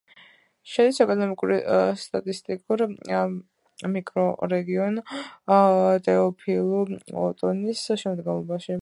შედის ეკონომიკურ-სტატისტიკურ მიკრორეგიონ ტეოფილუ-ოტონის შემადგენლობაში.